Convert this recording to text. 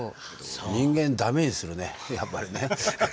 人間駄目にするねやっぱりね。